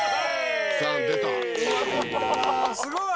すごい！